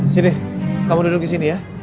sini kamu duduk disini ya